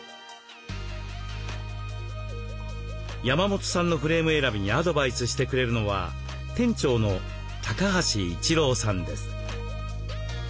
山本さんのフレーム選びにアドバイスしてくれるのは店長の橋一郎さんです。